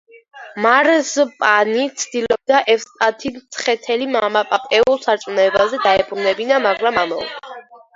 მარზპანი ცდილობდა ევსტათი მცხეთელი მამაპაპეულ სარწმუნოებაზე დაებრუნებინა, მაგრამ ამაოდ.